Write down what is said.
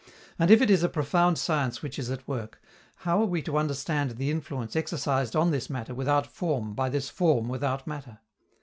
And if it is a profound science which is at work, how are we to understand the influence exercised on this matter without form by this form without matter?